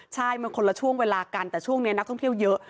ใช่มันคนละช่วงเวลากันแต่ช่วงนี้นักท่องเที่ยวเยอะ